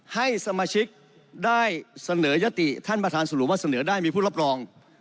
ให้สมาชิกได้เสนอยติท่านประธานสรุปว่าเสนอได้มีผู้รับรอง